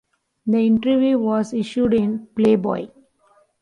The interview was issued in "Playboy".